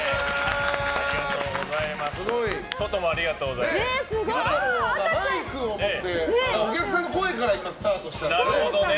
昼太郎がマイクを持ってお客さんの声からスタートしましたね。